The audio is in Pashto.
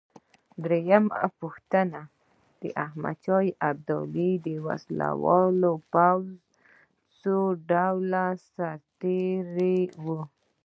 درېمه پوښتنه: د احمدشاه بابا په وسله وال پوځ کې څو ډوله سرتیري وو؟